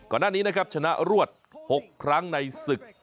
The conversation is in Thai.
ก่อนหน้านี้นะครับชนะรวด๖ครั้งในศึก